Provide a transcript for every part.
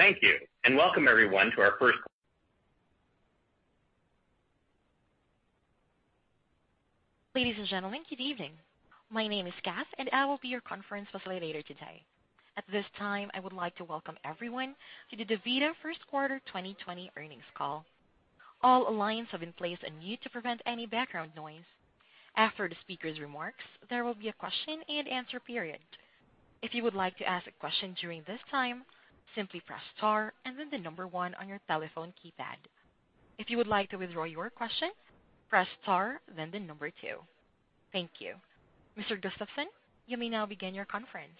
Ladies and gentlemen, good evening. My name is Kath, and I will be your conference facilitator today. At this time, I would like to welcome everyone to the DaVita First Quarter 2020 earnings call. All lines have been placed on mute to prevent any background noise. After the speaker's remarks, there will be a question and answer period. If you would like to ask a question during this time, simply press star and then the number one on your telephone keypad. If you would like to withdraw your question, press star, then the number two. Thank you. Mr. Gustafson, you may now begin your conference.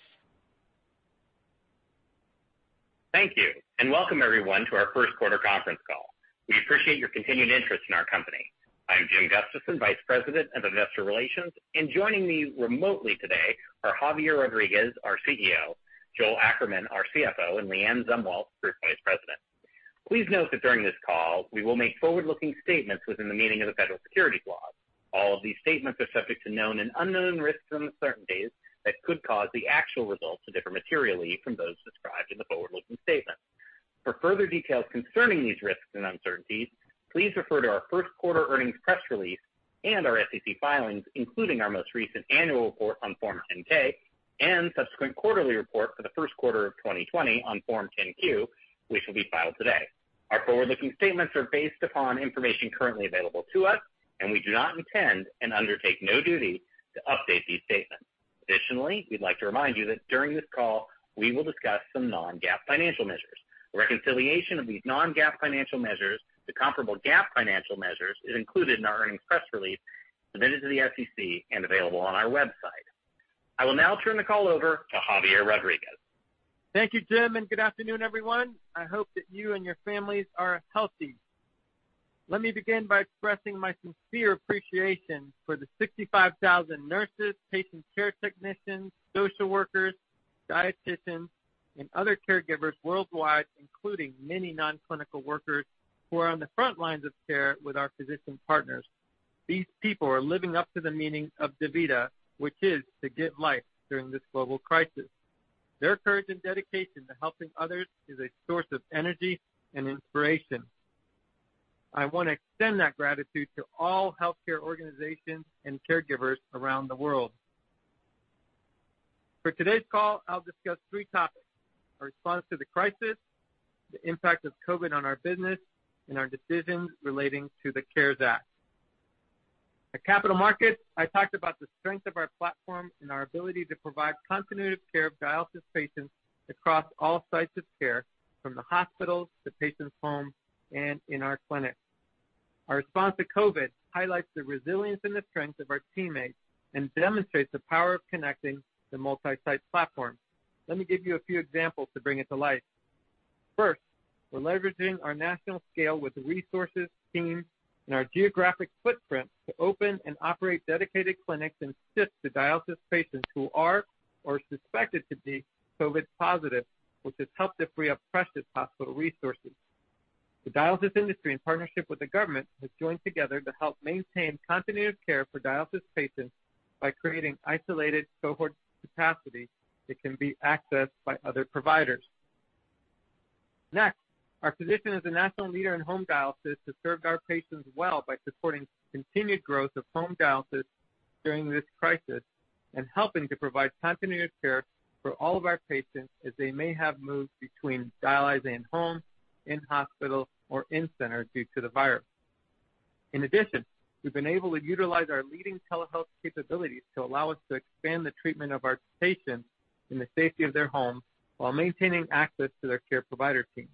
Thank you, welcome, everyone, to our first quarter conference call. We appreciate your continued interest in our company. I am Jim Gustafson, Vice President of Investor Relations, and joining me remotely today are Javier Rodriguez, our CEO, Joel Ackerman, our CFO, and LeAnne Zumwalt, Group Vice President. Please note that during this call, we will make forward-looking statements within the meaning of the federal securities laws. All of these statements are subject to known and unknown risks and uncertainties that could cause the actual results to differ materially from those described in the forward-looking statements. For further details concerning these risks and uncertainties, please refer to our first quarter earnings press release and our SEC filings, including our most recent annual report on Form 10-K and subsequent quarterly report for the first quarter of 2020 on Form 10-Q, which will be filed today. Our forward-looking statements are based upon information currently available to us, and we do not intend and undertake no duty to update these statements. Additionally, we'd like to remind you that during this call, we will discuss some non-GAAP financial measures. Reconciliation of these non-GAAP financial measures to comparable GAAP financial measures is included in our earnings press release submitted to the SEC and available on our website. I will now turn the call over to Javier Rodriguez. Thank you, Jim. Good afternoon, everyone. I hope that you and your families are healthy. Let me begin by expressing my sincere appreciation for the 65,000 nurses, patient care technicians, social workers, dietitians, and other caregivers worldwide, including many non-clinical workers, who are on the front lines of care with our physician partners. These people are living up to the meaning of DaVita, which is to give life during this global crisis. Their courage and dedication to helping others is a source of energy and inspiration. I want to extend that gratitude to all healthcare organizations and caregivers around the world. For today's call, I'll discuss three topics, our response to the crisis, the impact of COVID on our business, and our decisions relating to the CARES Act. At Capital Markets, I talked about the strength of our platform and our ability to provide continuity of care of dialysis patients across all sites of care, from the hospitals to patients' home and in our clinic. Our response to COVID highlights the resilience and the strength of our teammates and demonstrates the power of connecting the multi-site platform. Let me give you a few examples to bring it to life. First, we're leveraging our national scale with resources, teams, and our geographic footprint to open and operate dedicated clinics and shifts to dialysis patients who are or suspected to be COVID positive, which has helped to free up precious hospital resources. The dialysis industry, in partnership with the government, has joined together to help maintain continuity of care for dialysis patients by creating isolated cohort capacity that can be accessed by other providers. Our position as a national leader in home dialysis has served our patients well by supporting continued growth of home dialysis during this crisis and helping to provide continuity of care for all of our patients as they may have moved between dialyzing in home, in hospital, or in center due to the virus. We've been able to utilize our leading telehealth capabilities to allow us to expand the treatment of our patients in the safety of their home while maintaining access to their care provider team.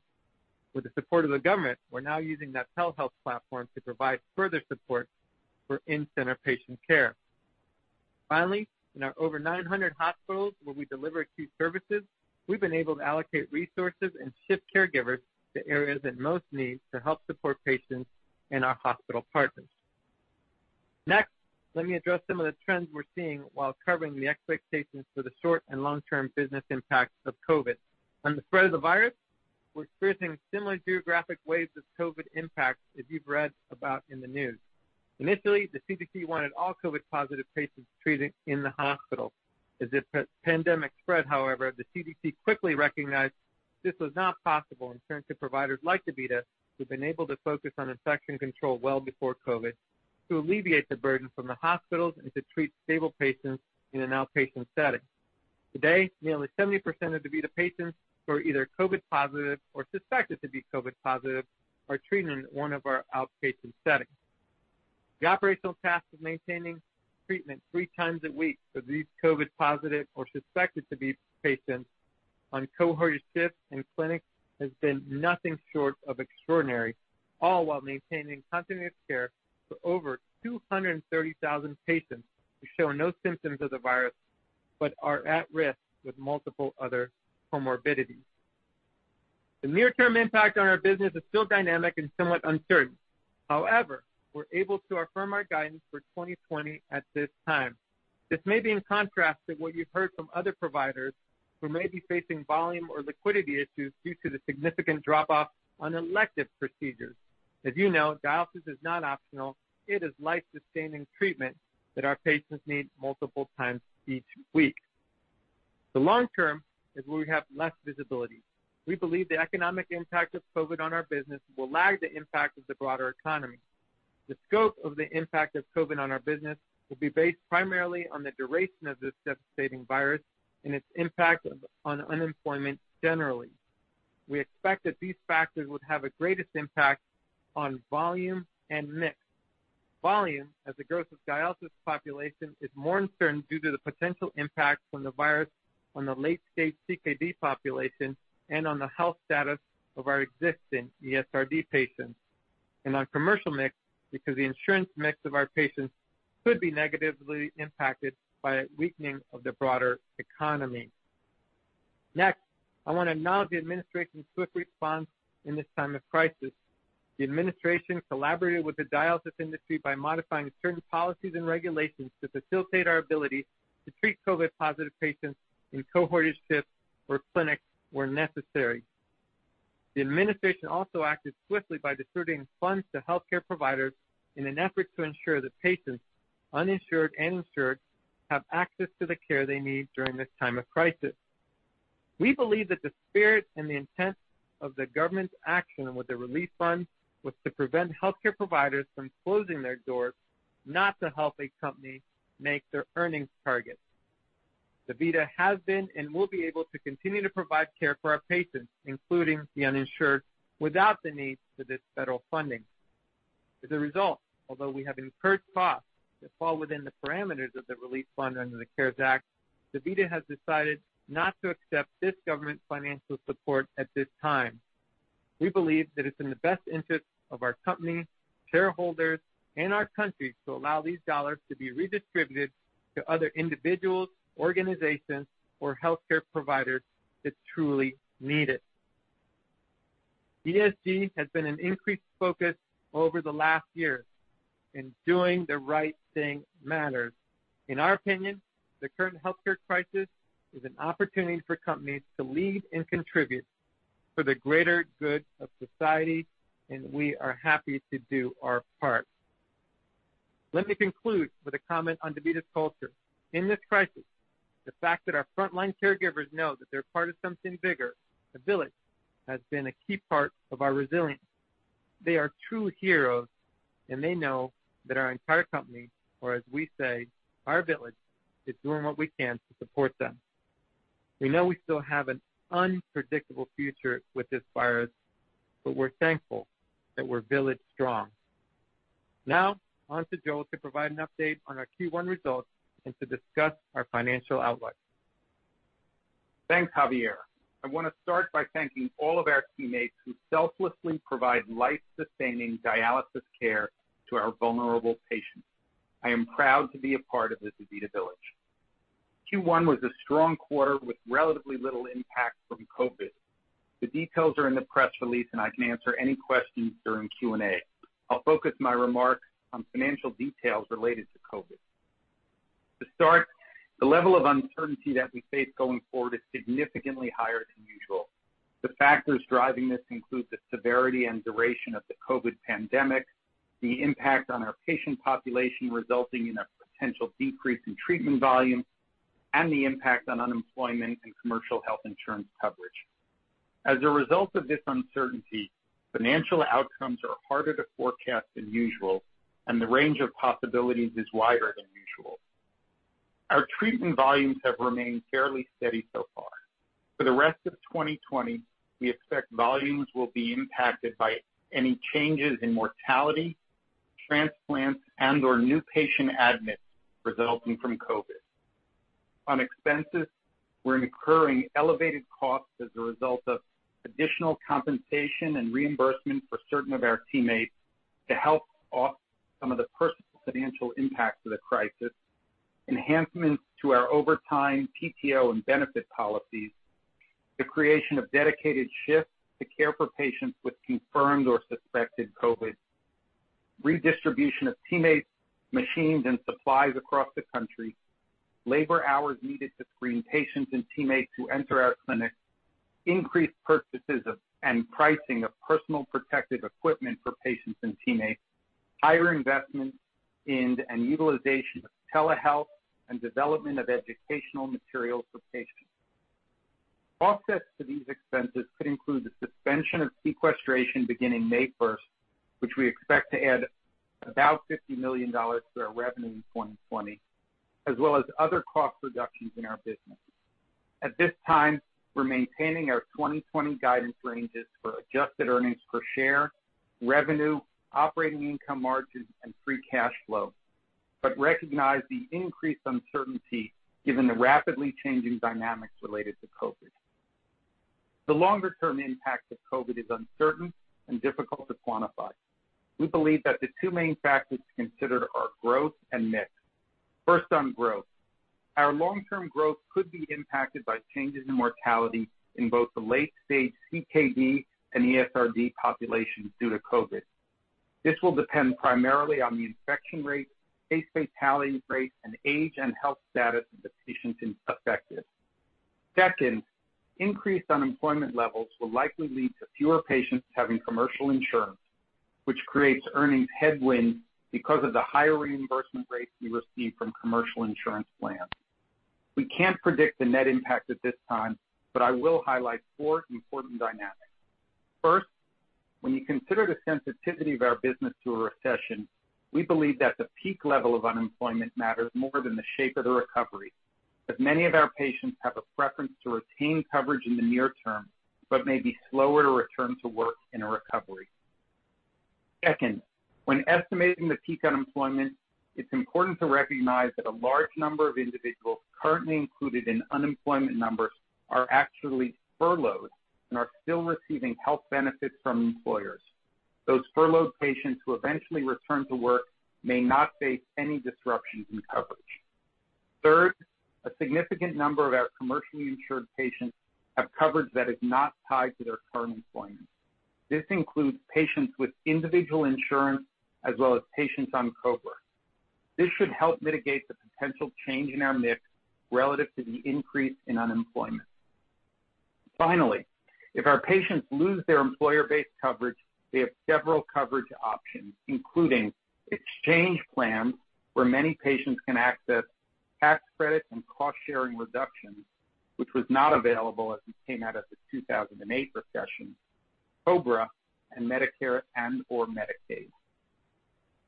With the support of the government, we're now using that telehealth platform to provide further support for in-center patient care. In our over 900 hospitals where we deliver acute services, we've been able to allocate resources and shift caregivers to areas in most need to help support patients and our hospital partners. Next, let me address some of the trends we're seeing while covering the expectations for the short and long-term business impacts of COVID. On the spread of the virus, we're experiencing similar geographic waves of COVID impact as you've read about in the news. Initially, the CDC wanted all COVID-positive patients treated in the hospital. As the pandemic spread, however, the CDC quickly recognized this was not possible and turned to providers like DaVita, who've been able to focus on infection control well before COVID to alleviate the burden from the hospitals and to treat stable patients in an outpatient setting. Today, nearly 70% of DaVita patients who are either COVID positive or suspected to be COVID positive are treated in one of our outpatient settings. The operational task of maintaining treatment three times a week for these COVID positive or suspected to be patients on cohort shifts and clinics has been nothing short of extraordinary, all while maintaining continuity of care for over 230,000 patients who show no symptoms of the virus but are at risk with multiple other comorbidities. The near-term impact on our business is still dynamic and somewhat uncertain. However, we're able to affirm our guidance for 2020 at this time. This may be in contrast to what you've heard from other providers who may be facing volume or liquidity issues due to the significant drop-off on elective procedures. As you know, dialysis is not optional. It is life-sustaining treatment that our patients need multiple times each week. The long term is where we have less visibility. We believe the economic impact of COVID on our business will lag the impact of the broader economy. The scope of the impact of COVID on our business will be based primarily on the duration of this devastating virus and its impact on unemployment generally. We expect that these factors would have the greatest impact on volume and mix. Volume, as the growth of dialysis population, is more uncertain due to the potential impact from the virus on the late-stage CKD population and on the health status of our existing ESRD patients, on commercial mix, because the insurance mix of our patients could be negatively impacted by a weakening of the broader economy. Next, I want to acknowledge the administration's swift response in this time of crisis. The administration collaborated with the dialysis industry by modifying certain policies and regulations to facilitate our ability to treat COVID-positive patients in cohortage shifts or clinics where necessary. The administration also acted swiftly by distributing funds to healthcare providers in an effort to ensure that patients, uninsured and insured, have access to the care they need during this time of crisis. We believe that the spirit and the intent of the government's action with the relief funds was to prevent healthcare providers from closing their doors, not to help a company make their earnings targets. DaVita has been and will be able to continue to provide care for our patients, including the uninsured, without the need for this federal funding. Although we have incurred costs that fall within the parameters of the relief fund under the CARES Act, DaVita has decided not to accept this government financial support at this time. We believe that it's in the best interest of our company, shareholders, and our country to allow these dollars to be redistributed to other individuals, organizations, or healthcare providers that truly need it. ESG has been an increased focus over the last year. Doing the right thing matters. In our opinion, the current healthcare crisis is an opportunity for companies to lead and contribute for the greater good of society. We are happy to do our part. Let me conclude with a comment on DaVita's culture. In this crisis, the fact that our frontline caregivers know that they're part of something bigger, the village, has been a key part of our resilience. They are true heroes, and they know that our entire company, or as we say, our village, is doing what we can to support them. We know we still have an unpredictable future with this virus, but we're thankful that we're village strong. Now, on to Joel to provide an update on our Q1 results and to discuss our financial outlook. Thanks, Javier. I want to start by thanking all of our teammates who selflessly provide life-sustaining dialysis care to our vulnerable patients. I am proud to be a part of this DaVita village. Q1 was a strong quarter with relatively little impact from COVID. The details are in the press release, and I can answer any questions during Q&A. I'll focus my remarks on financial details related to COVID. To start, the level of uncertainty that we face going forward is significantly higher than usual. The factors driving this include the severity and duration of the COVID pandemic, the impact on our patient population resulting in a potential decrease in treatment volume, and the impact on unemployment and commercial health insurance coverage. As a result of this uncertainty, financial outcomes are harder to forecast than usual, and the range of possibilities is wider than usual. Our treatment volumes have remained fairly steady so far. For the rest of 2020, we expect volumes will be impacted by any changes in mortality, transplants, and/or new patient admits resulting from COVID. On expenses, we're incurring elevated costs as a result of additional compensation and reimbursement for certain of our teammates to help offset some of the personal financial impacts of the crisis, enhancements to our overtime, PTO, and benefit policies, the creation of dedicated shifts to care for patients with confirmed or suspected COVID, redistribution of teammates, machines, and supplies across the country, labor hours needed to screen patients and teammates who enter our clinics, increased purchases of and pricing of personal protective equipment for patients and teammates, higher investments in and utilization of telehealth, and development of educational materials for patients. Offsets to these expenses could include the suspension of sequestration beginning May 1st, which we expect to add about $50 million to our revenue in 2020, as well as other cost reductions in our business. At this time, we're maintaining our 2020 guidance ranges for adjusted earnings per share, revenue, operating income margins, and free cash flow. Recognize the increased uncertainty given the rapidly changing dynamics related to COVID. The longer-term impact of COVID is uncertain and difficult to quantify. We believe that the two main factors to consider are growth and mix. First, on growth. Our long-term growth could be impacted by changes in mortality in both the late stage CKD and ESRD populations due to COVID. This will depend primarily on the infection rate, case fatality rate, and age and health status of the patients infected. Second, increased unemployment levels will likely lead to fewer patients having commercial insurance, which creates earnings headwind because of the higher reimbursement rates we receive from commercial insurance plans. We can't predict the net impact at this time, but I will highlight four important dynamics. First, when you consider the sensitivity of our business to a recession, we believe that the peak level of unemployment matters more than the shape of the recovery, as many of our patients have a preference to retain coverage in the near term, but may be slower to return to work in a recovery. Second, when estimating the peak unemployment, it's important to recognize that a large number of individuals currently included in unemployment numbers are actually furloughed and are still receiving health benefits from employers. Those furloughed patients who eventually return to work may not face any disruptions in coverage. A significant number of our commercially insured patients have coverage that is not tied to their current employment. This includes patients with individual insurance, as well as patients on COBRA. This should help mitigate the potential change in our mix relative to the increase in unemployment. If our patients lose their employer-based coverage, they have several coverage options, including exchange plans, where many patients can access tax credits and cost-sharing reductions, which was not available as we came out of the 2008 recession, COBRA, and Medicare and/or Medicaid.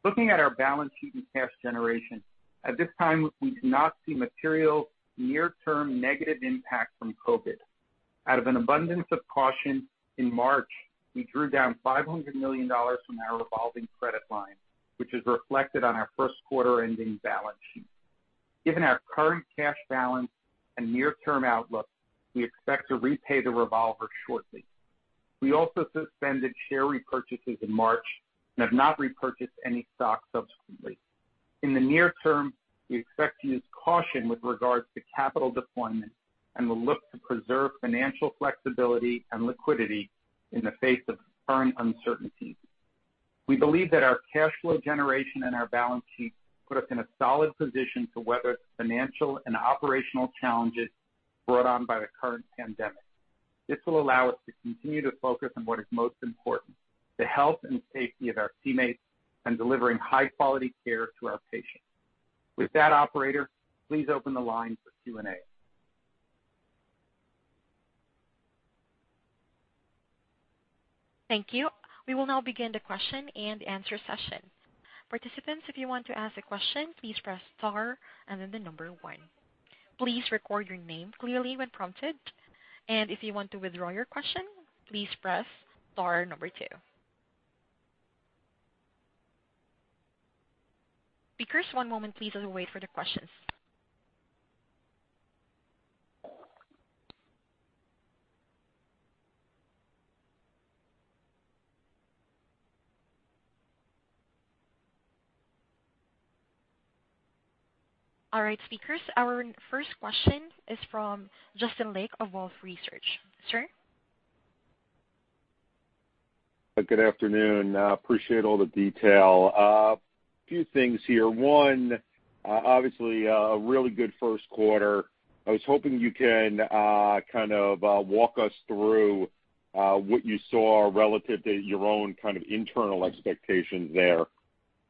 Looking at our balance sheet and cash generation, at this time, we do not see material near-term negative impact from COVID. Out of an abundance of caution, in March, we drew down $500 million from our revolving credit line, which is reflected on our first quarter ending balance sheet. Given our current cash balance and near-term outlook, we expect to repay the revolver shortly. We also suspended share repurchases in March and have not repurchased any stock subsequently. In the near term, we expect to use caution with regards to capital deployment and will look to preserve financial flexibility and liquidity in the face of current uncertainties. We believe that our cash flow generation and our balance sheet put us in a solid position to weather the financial and operational challenges brought on by the current pandemic. This will allow us to continue to focus on what is most important, the health and safety of our teammates, and delivering high-quality care to our patients. With that, operator, please open the line for Q&A. Thank you. We will now begin the question-and-answer session. Participants, if you want to ask a question, please press star and then the number one. Please record your name clearly when prompted, and if you want to withdraw your question, please press star number two. Speakers, one moment please as we wait for the questions. All right, speakers, our first question is from Justin Lake of Wolfe Research. Sir? Good afternoon. Appreciate all the detail. A few things here. One, obviously, a really good first quarter. I was hoping you can walk us through what you saw relative to your own internal expectations there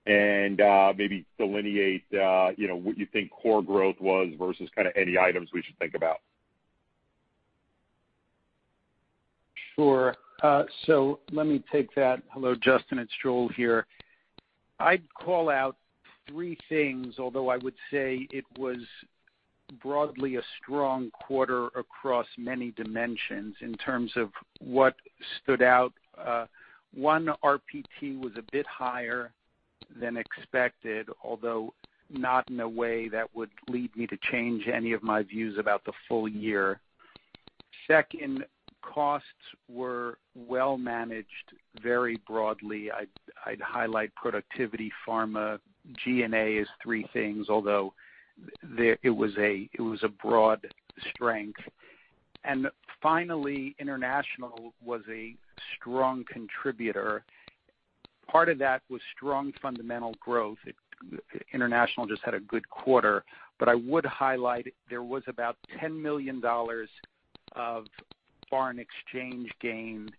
and maybe delineate what you think core growth was versus any items we should think about. Sure. Let me take that. Hello, Justin, it's Joel here. I'd call out three things, although I would say it was broadly a strong quarter across many dimensions in terms of what stood out. One, RPT was a bit higher than expected, although not in a way that would lead me to change any of my views about the full year. Second, costs were well managed very broadly. I'd highlight productivity, pharma, G&A as three things, although it was a broad strength. Finally, international was a strong contributor. Part of that was strong fundamental growth. International just had a good quarter. I would highlight there was about $10 million of foreign exchange gain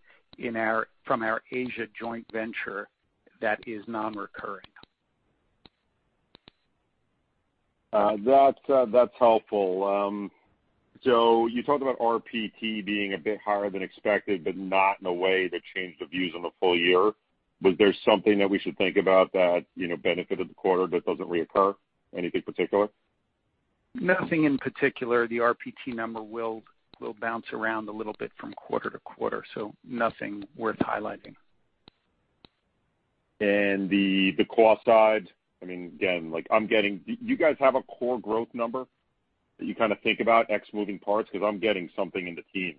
from our Asia joint venture that is non-recurring. That's helpful. You talked about RPT being a bit higher than expected, but not in a way that changed the views on the full year. Was there something that we should think about that benefited the quarter that doesn't reoccur? Anything particular? Nothing in particular. The RPT number will bounce around a little bit from quarter to quarter, so nothing worth highlighting. The cost side, do you guys have a core growth number that you think about, X moving parts? I'm getting something in the teens.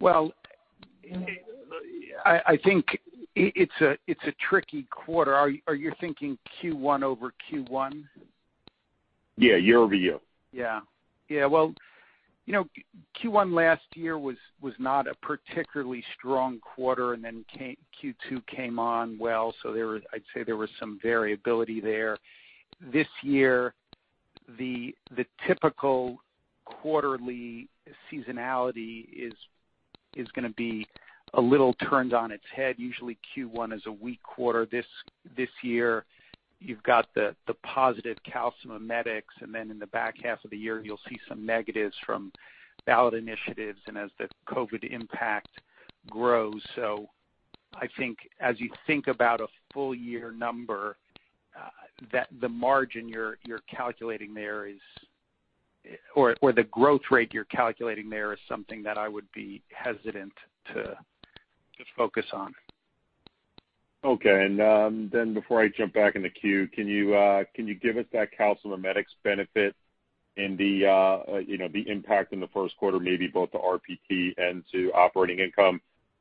Well, I think it's a tricky quarter. Are you thinking Q1 over Q1? Yeah, year-over-year. Yeah. Well, Q1 last year was not a particularly strong quarter, Q2 came on well, I'd say there was some variability there. This year, the typical quarterly seasonality is going to be a little turned on its head. Usually Q1 is a weak quarter. This year, you've got the positive calcimimetics, in the back half of the year, you'll see some negatives from ballot initiatives and as the COVID impact grows. I think as you think about a full year number, the margin you're calculating there or the growth rate you're calculating there is something that I would be hesitant to just focus on. Okay. Before I jump back in the queue, can you give us that calcimimetics benefit and the impact in the first quarter, maybe both to RPT and to operating income?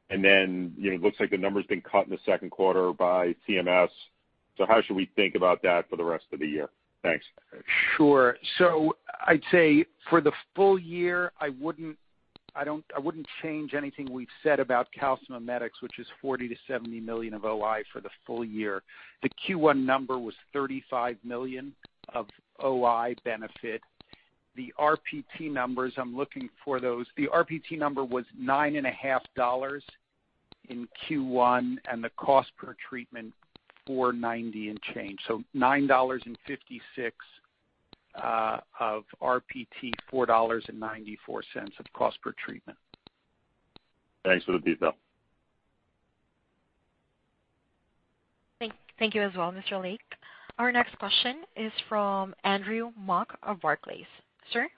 It looks like the number's been cut in the second quarter by CMS. How should we think about that for the rest of the year? Thanks. Sure. I'd say for the full year, I wouldn't change anything we've said about calcimimetics, which is $40 million-$70 million of OI for the full year. The Q1 number was $35 million of OI benefit. The RPT numbers, I'm looking for those. The RPT number was nine and a half dollars in Q1, and the cost per treatment, $4.90 and change. $9.56 of RPT, $4.94 of cost per treatment. Thanks for the detail. Thank you as well, Mr. Lake. Our next question is from Andrew Mok of Barclays. Sir?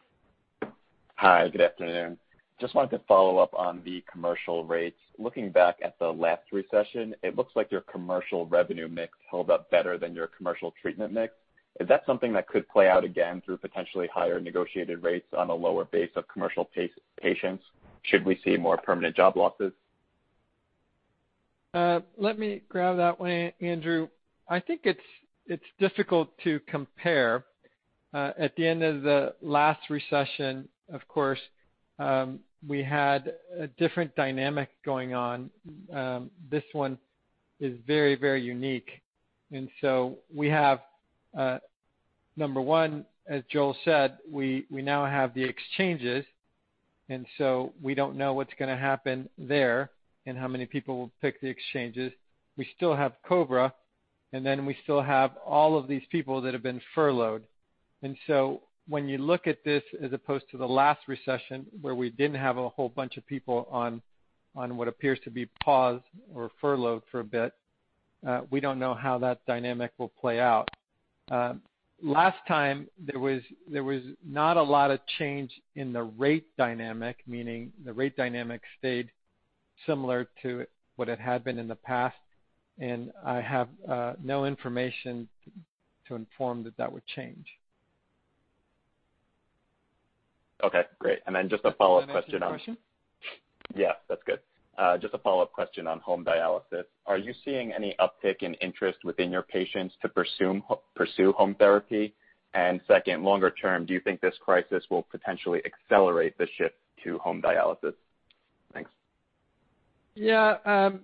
Hi, good afternoon. Just wanted to follow up on the commercial rates. Looking back at the last recession, it looks like your commercial revenue mix held up better than your commercial treatment mix. Is that something that could play out again through potentially higher negotiated rates on a lower base of commercial patients, should we see more permanent job losses? Let me grab that one, Andrew. I think it's difficult to compare. At the end of the last recession, of course, we had a different dynamic going on. This one is very unique. We have, number one, as Joel said, we now have the exchanges, and so we don't know what's going to happen there and how many people will pick the exchanges. We still have COBRA, and then we still have all of these people that have been furloughed. When you look at this as opposed to the last recession, where we didn't have a whole bunch of people on what appears to be pause or furloughed for a bit, we don't know how that dynamic will play out. Last time, there was not a lot of change in the rate dynamic, meaning the rate dynamic stayed similar to what it had been in the past, and I have no information to inform that that would change. Okay, great. Just a follow-up question. Can I ask another question? Yeah, that's good. Just a follow-up question on home dialysis. Are you seeing any uptick in interest within your patients to pursue home therapy? Second, longer term, do you think this crisis will potentially accelerate the shift to home dialysis? Thanks. Yeah.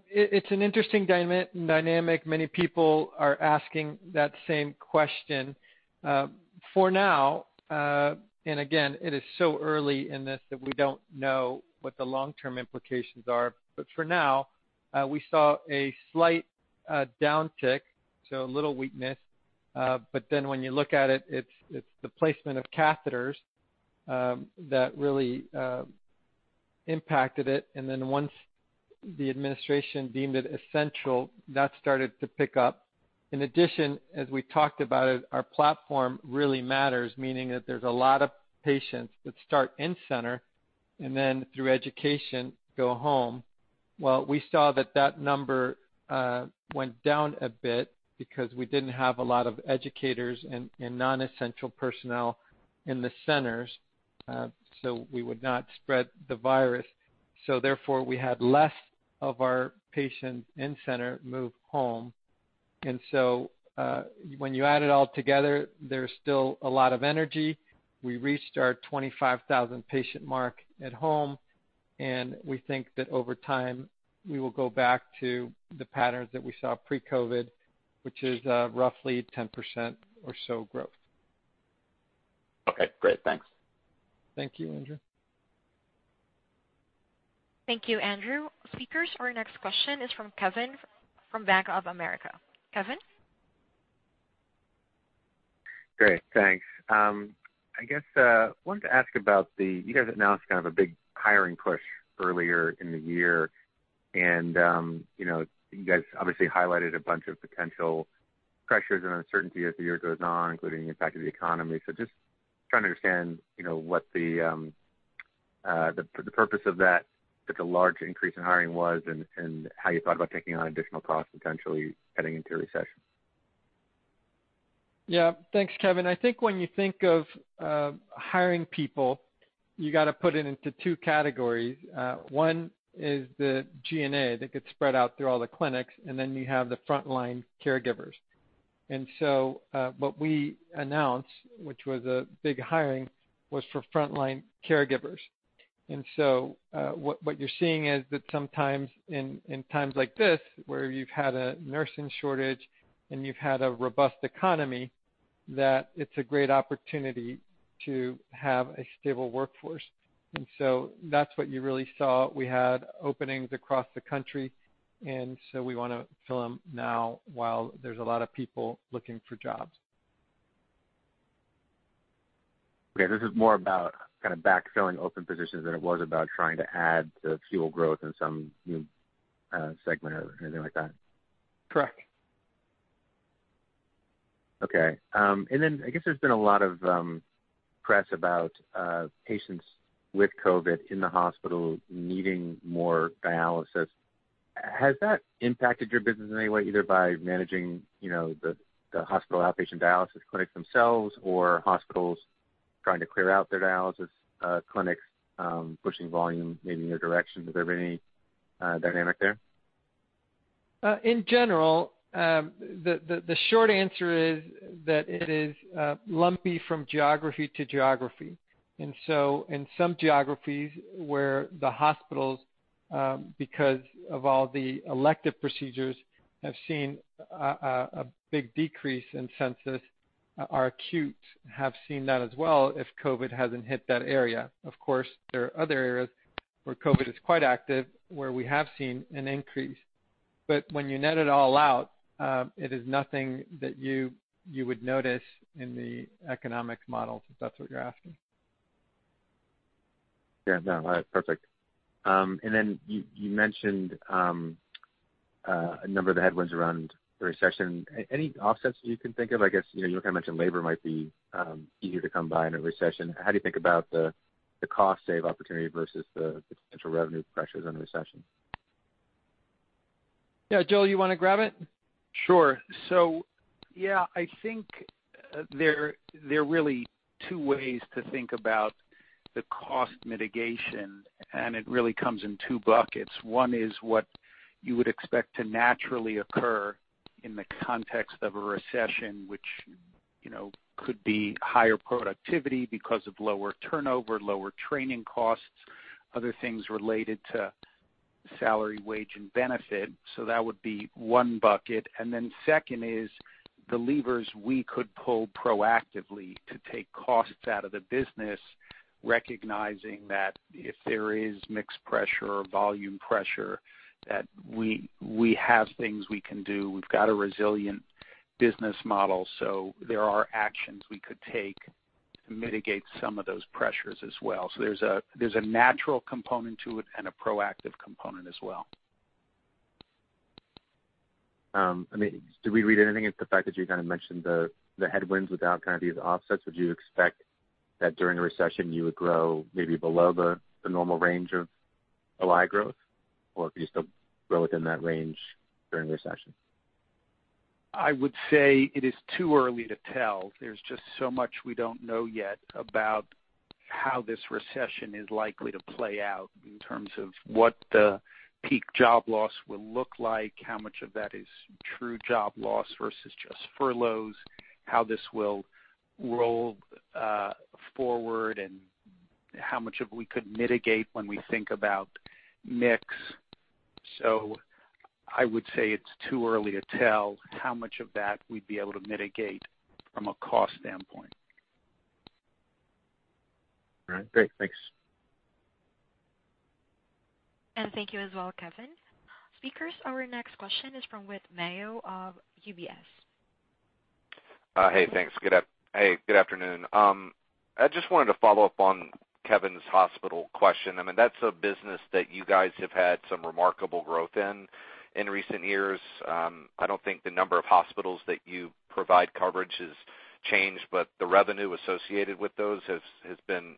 It's an interesting dynamic. Many people are asking that same question. For now, and again, it is so early in this that we don't know what the long-term implications are. For now, we saw a slight downtick, so a little weakness, but then when you look at it's the placement of catheters that really impacted it. Once the administration deemed it essential, that started to pick up. In addition, as we talked about it, our platform really matters, meaning that there's a lot of patients that start in center and then through education, go home. Well, we saw that that number went down a bit because we didn't have a lot of educators and non-essential personnel in the centers, so we would not spread the virus. Therefore, we had less of our patients in center move home. When you add it all together, there's still a lot of energy. We reached our 25,000-patient mark at home, and we think that over time, we will go back to the patterns that we saw pre-COVID, which is roughly 10% or so growth. Okay, great. Thanks. Thank you, Andrew. Thank you, Andrew. Speakers, our next question is from Kevin from Bank of America. Kevin? Great. Thanks. I guess I wanted to ask about, you guys announced kind of a big hiring push earlier in the year. You guys obviously highlighted a bunch of potential pressures and uncertainty as the year goes on, including the impact of the economy. Just trying to understand the purpose of that the large increase in hiring was and how you thought about taking on additional costs potentially heading into a recession. Yeah. Thanks, Kevin. I think when you think of hiring people, you got to put it into two categories. One is the G&A that gets spread out through all the clinics. Then you have the frontline caregivers. What we announced, which was a big hiring, was for frontline caregivers. What you're seeing is that sometimes in times like this, where you've had a nursing shortage and you've had a robust economy, that it's a great opportunity to have a stable workforce. That's what you really saw. We had openings across the country. We want to fill them now while there's a lot of people looking for jobs. Okay, this is more about kind of backfilling open positions than it was about trying to add to fuel growth in some new segment or anything like that. Correct. Okay. I guess there's been a lot of press about patients with COVID in the hospital needing more dialysis. Has that impacted your business in any way, either by managing the hospital outpatient dialysis clinics themselves, or hospitals trying to clear out their dialysis clinics pushing volume maybe in your direction? Has there been any dynamic there? In general, the short answer is that it is lumpy from geography-to-geography. In some geographies where the hospitals, because of all the elective procedures, have seen a big decrease in census, our acutes have seen that as well if COVID hasn't hit that area. Of course, there are other areas where COVID is quite active, where we have seen an increase. When you net it all out, it is nothing that you would notice in the economics model, if that's what you're asking. Yeah, no, perfect. You mentioned a number of the headwinds around the recession. Any offsets that you can think of? I guess, you kind of mentioned labor might be easier to come by in a recession. How do you think about the cost save opportunity versus the potential revenue pressures in a recession? Yeah. Joel, you want to grab it? Sure. Yeah, I think there are really two ways to think about the cost mitigation, and it really comes in two buckets. One is what you would expect to naturally occur in the context of a recession, which could be higher productivity because of lower turnover, lower training costs, other things related to salary, wage, and benefit. That would be one bucket. Second is the levers we could pull proactively to take costs out of the business, recognizing that if there is mix pressure or volume pressure, that we have things we can do. We've got a resilient business model, there are actions we could take to mitigate some of those pressures as well. There's a natural component to it and a proactive component as well. Do we read anything into the fact that you kind of mentioned the headwinds without these offsets? Would you expect that during a recession you would grow maybe below the normal range of dialysis growth, or could you still grow within that range during a recession? I would say it is too early to tell. There's just so much we don't know yet about how this recession is likely to play out in terms of what the peak job loss will look like, how much of that is true job loss versus just furloughs, how this will roll forward, and how much of we could mitigate when we think about mix. I would say it's too early to tell how much of that we'd be able to mitigate from a cost standpoint. All right, great. Thanks. Thank you as well, Kevin. Speakers, our next question is from Whit Mayo of UBS. Thanks. Good afternoon. I just wanted to follow up on Kevin's hospital question. That's a business that you guys have had some remarkable growth in in recent years. I don't think the number of hospitals that you provide coverage has changed, but the revenue associated with those has been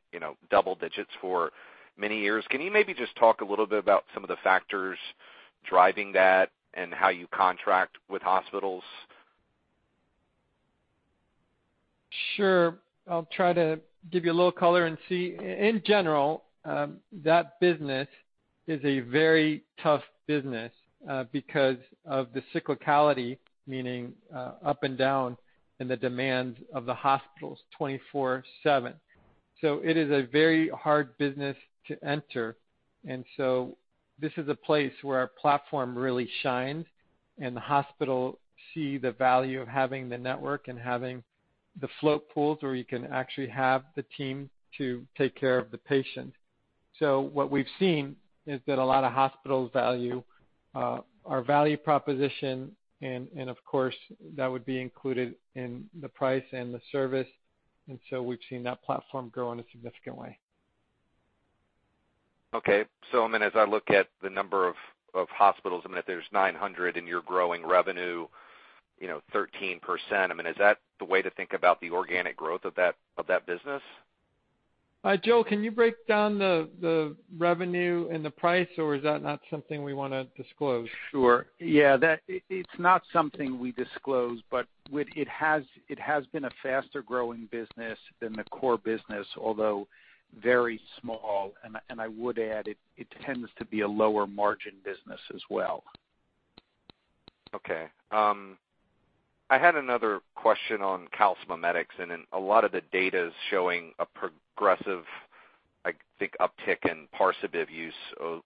double digits for many years. Can you maybe just talk a little bit about some of the factors driving that and how you contract with hospitals? Sure. I'll try to give you a little color and see. In general, that business is a very tough business because of the cyclicality, meaning up and down in the demands of the hospitals 24/7. It is a very hard business to enter. This is a place where our platform really shines, and the hospital see the value of having the network and having the float pools where you can actually have the team to take care of the patient. What we've seen is that a lot of hospitals value our value proposition, and of course, that would be included in the price and the service. We've seen that platform grow in a significant way. Okay. As I look at the number of hospitals, if there's 900 and you're growing revenue 13%, is that the way to think about the organic growth of that business? Joel, can you break down the revenue and the price, or is that not something we want to disclose? Sure. Yeah. It's not something we disclose, but it has been a faster-growing business than the core business, although very small, and I would add, it tends to be a lower margin business as well. Okay. I had another question on calcimimetics. A lot of the data is showing a progressive, I think, uptick in Parsabiv use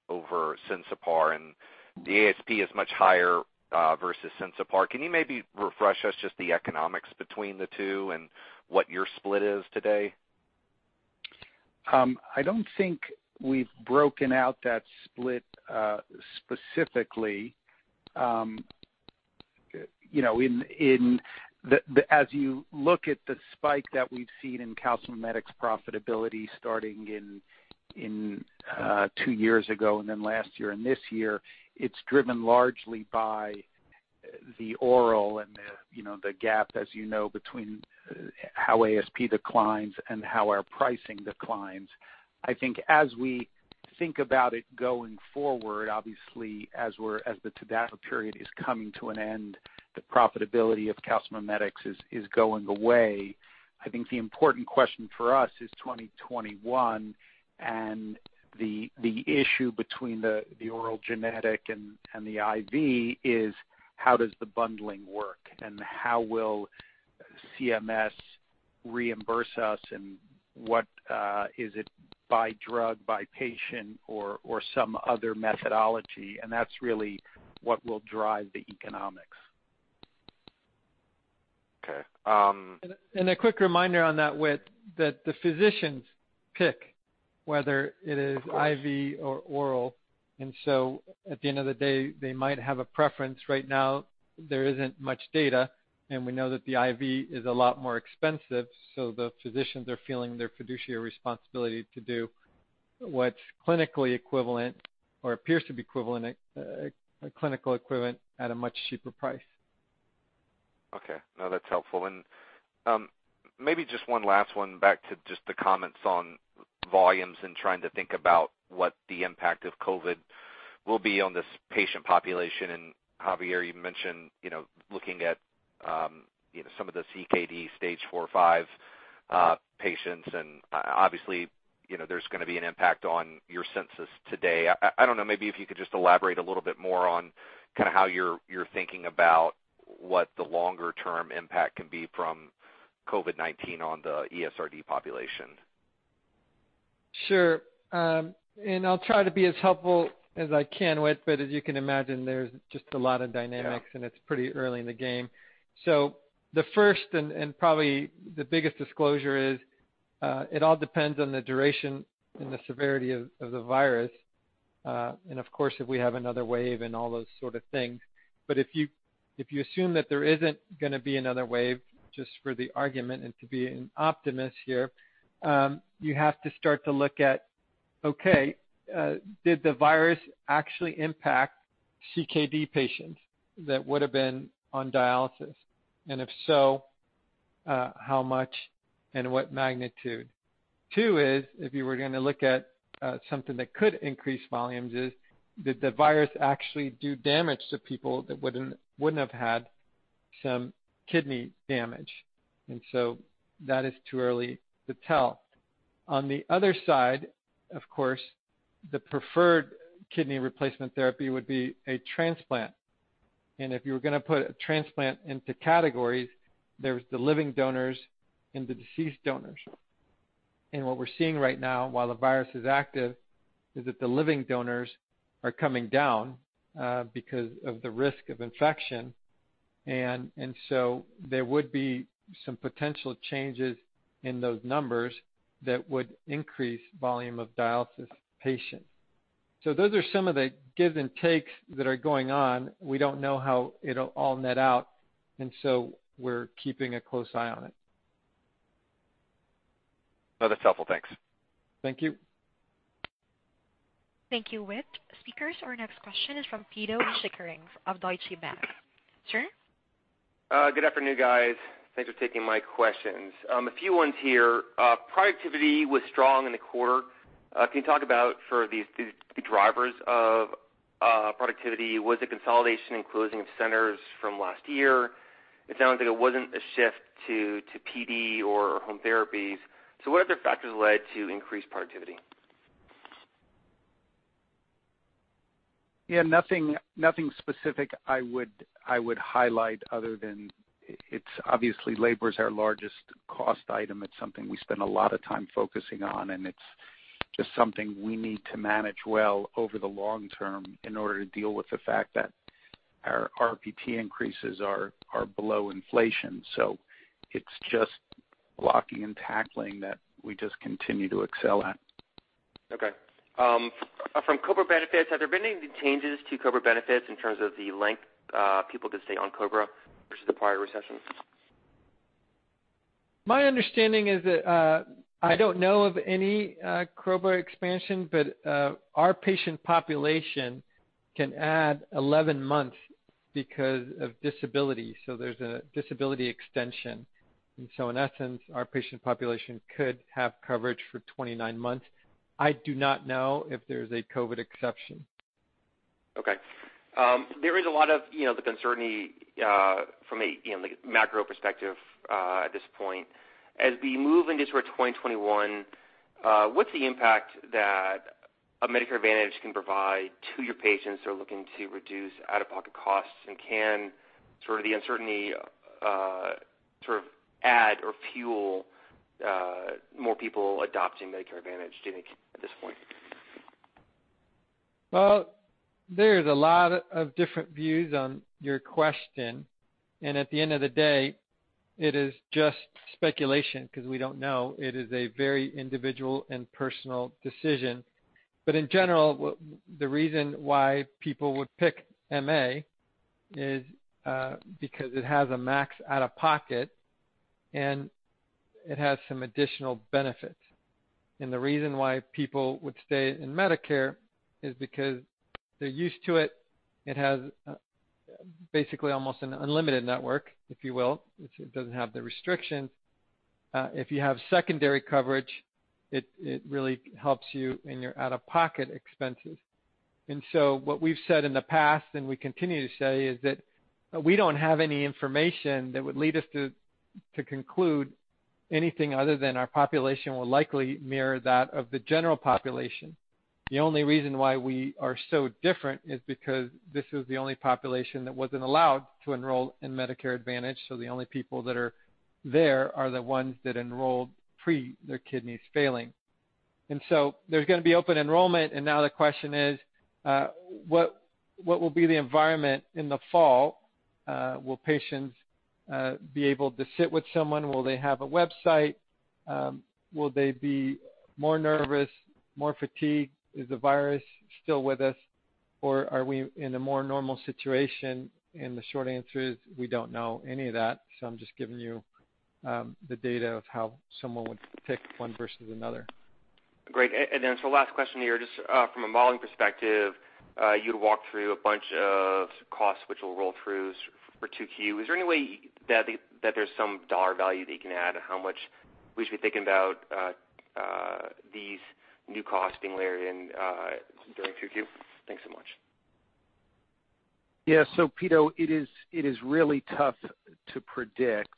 over Sensipar, and the ASP is much higher versus Sensipar. Can you maybe refresh us just the economics between the two and what your split is today? I don't think we've broken out that split specifically. As you look at the spike that we've seen in calcimimetics profitability starting in two years ago and then last year and this year, it's driven largely by the oral and the gap, as you know, between how ASP declines and how our pricing declines. I think as we think about it going forward, obviously, as the TDAPA period is coming to an end, the profitability of calcimimetics is going away. I think the important question for us is 2021 and the issue between the oral generic and the IV is how does the bundling work and how will CMS reimburse us and what is it by drug, by patient or some other methodology. That's really what will drive the economics. Okay. A quick reminder on that, Whit, that the physicians pick whether it is IV or oral and so at the end of the day, they might have a preference. Right now, there isn't much data, and we know that the IV is a lot more expensive, so the physicians are feeling their fiduciary responsibility to do what's clinically equivalent or appears to be clinical equivalent at a much cheaper price. Okay. No, that's helpful. Maybe just one last one back to just the comments on volumes and trying to think about what the impact of COVID will be on this patient population. Javier, you mentioned looking at some of the CKD stage four, five patients, and obviously, there's going to be an impact on your census today. I don't know, maybe if you could just elaborate a little bit more on how you're thinking about what the longer-term impact can be from COVID-19 on the ESRD population. Sure. I'll try to be as helpful as I can, Whit, but as you can imagine, there's just a lot of dynamics and it's pretty early in the game. The first and probably the biggest disclosure is it all depends on the duration and the severity of the virus, and of course, if we have another wave and all those sort of things. If you assume that there isn't going to be another wave, just for the argument and to be an optimist here, you have to start to look at, okay, did the virus actually impact CKD patients that would have been on dialysis? If so, how much and what magnitude? Two is, if you were going to look at something that could increase volumes is, did the virus actually do damage to people that wouldn't have had some kidney damage? That is too early to tell. On the other side, of course, the preferred kidney replacement therapy would be a transplant. If you were going to put a transplant into categories, there's the living donors and the deceased donors. What we're seeing right now while the virus is active is that the living donors are coming down because of the risk of infection. There would be some potential changes in those numbers that would increase volume of dialysis patients. Those are some of the gives and takes that are going on. We don't know how it'll all net out, and so we're keeping a close eye on it. No, that's helpful. Thanks. Thank you. Thank you, Whit. Speakers, our next question is from Pito Chickering of Deutsche Bank. Sure. Good afternoon, guys. Thanks for taking my questions. A few ones here. Productivity was strong in the quarter. Can you talk about for these two drivers of productivity, was it consolidation and closing of centers from last year? It sounds like it wasn't a shift to PD or home therapies. What other factors led to increased productivity? Yeah, nothing specific I would highlight other than it's obviously labor is our largest cost item. It's something we spend a lot of time focusing on, and it's just something we need to manage well over the long term in order to deal with the fact that our RPT increases are below inflation. It's just blocking and tackling that we just continue to excel at. Okay. From COBRA benefits, have there been any changes to COBRA benefits in terms of the length people could stay on COBRA versus the prior recession? My understanding is that I don't know of any COBRA expansion, but our patient population can add 11 months because of disability. There's a disability extension, and so in essence, our patient population could have coverage for 29 months. I do not know if there's a COVID exception. Okay. There is a lot of the uncertainty from a macro perspective at this point. As we move into 2021, what's the impact that a Medicare Advantage can provide to your patients who are looking to reduce out-of-pocket costs, and can the uncertainty add or fuel more people adopting Medicare Advantage, do you think, at this point? Well, there's a lot of different views on your question, and at the end of the day, it is just speculation because we don't know. It is a very individual and personal decision. In general, the reason why people would pick MA is because it has a max out-of-pocket, and it has some additional benefits. The reason why people would stay in Medicare is because they're used to it. It has basically almost an unlimited network, if you will. It doesn't have the restrictions. If you have secondary coverage, it really helps you in your out-of-pocket expenses. What we've said in the past, and we continue to say, is that we don't have any information that would lead us to conclude anything other than our population will likely mirror that of the general population. The only reason why we are so different is because this is the only population that wasn't allowed to enroll in Medicare Advantage, so the only people that are there are the ones that enrolled pre their kidneys failing. There's going to be open enrollment, and now the question is, what will be the environment in the fall? Will patients be able to sit with someone? Will they have a website? Will they be more nervous, more fatigued? Is the virus still with us, or are we in a more normal situation? The short answer is, we don't know any of that. I'm just giving you the data of how someone would pick one versus another. Great. Last question here, just from a modeling perspective, you had walked through a bunch of costs which will roll through for 2Q. Is there any way that there's some dollar value that you can add on how much we should be thinking about these new costs being layered in during 2Q? Thanks so much. Yeah. Pito, it is really tough to predict.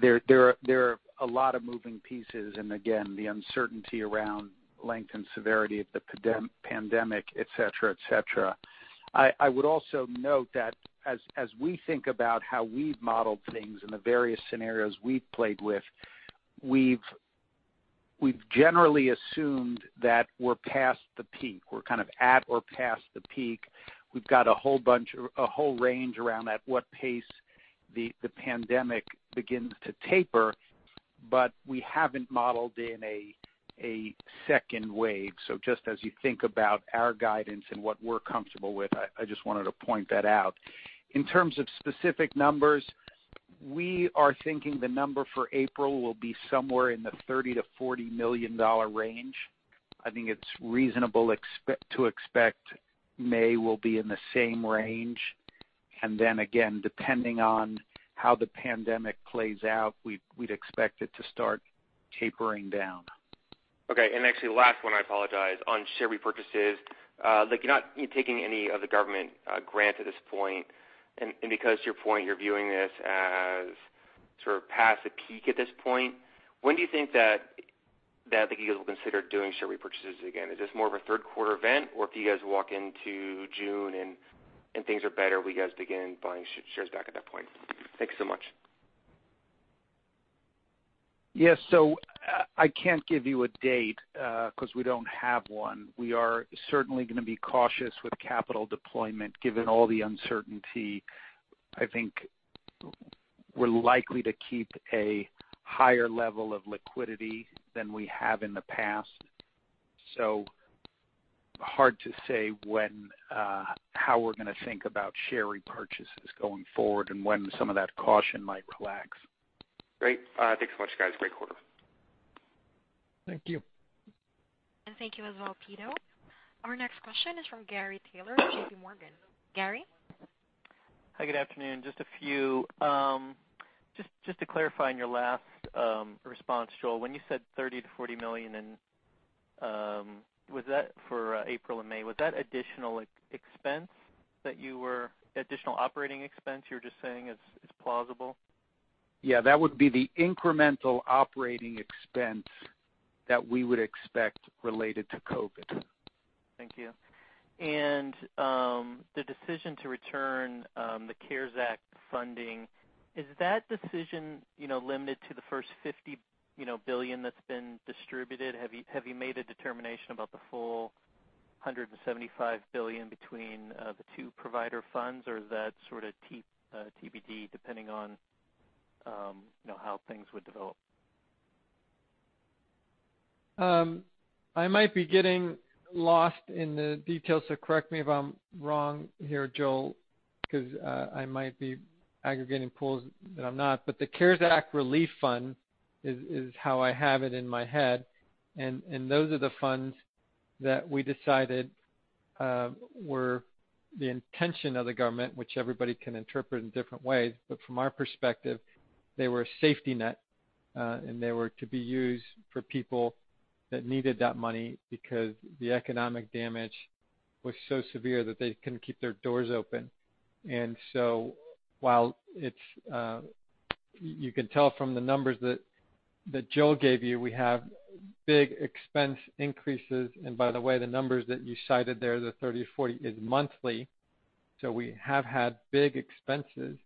There are a lot of moving pieces and again, the uncertainty around length and severity of the pandemic, et cetera. I would also note that as we think about how we've modeled things and the various scenarios we've played with, we've generally assumed that we're past the peak. We're kind of at or past the peak. We've got a whole range around at what pace the pandemic begins to taper, but we haven't modeled in a second wave. Just as you think about our guidance and what we're comfortable with, I just wanted to point that out. In terms of specific numbers, we are thinking the number for April will be somewhere in the $30 million-$40 million range. I think it's reasonable to expect May will be in the same range. Then again, depending on how the pandemic plays out, we'd expect it to start tapering down. Okay. Actually, last one, I apologize. On share repurchases, you're not taking any of the government grant at this point, because your point, you're viewing this as sort of past the peak at this point, when do you think that you guys will consider doing share repurchases again? Is this more of a third quarter event, if you guys walk into June and things are better, will you guys begin buying shares back at that point? Thank you so much. Yeah. I can't give you a date, because we don't have one. We are certainly going to be cautious with capital deployment, given all the uncertainty. I think we're likely to keep a higher level of liquidity than we have in the past. Hard to say how we're going to think about share repurchases going forward and when some of that caution might relax. Great. Thanks so much, guys. Great quarter. Thank you. Thank you as well, Pito. Our next question is from Gary Taylor, JPMorgan. Gary? Hi, good afternoon. Just a few. Just to clarify on your last response, Joel, when you said $30 million-$40 million, was that for April and May? Was that additional operating expense you're just saying is plausible? Yeah, that would be the incremental operating expense that we would expect related to COVID. Thank you. The decision to return the CARES Act funding, is that decision limited to the first $50 billion that's been distributed? Have you made a determination about the full $175 billion between the two provider funds, or is that sort of TBD, depending on how things would develop? I might be getting lost in the details, so correct me if I'm wrong here, Joel. I might be aggregating pools that I'm not, but the CARES Act Relief Fund is how I have it in my head. Those are the funds that we decided were the intention of the government, which everybody can interpret in different ways, but from our perspective, they were a safety net, and they were to be used for people that needed that money because the economic damage was so severe that they couldn't keep their doors open. While you can tell from the numbers that Joel gave you, we have big expense increases. By the way, the numbers that you cited there, the $30-$40, is monthly. We have had big expenses.